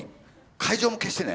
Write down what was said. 会場も消してね。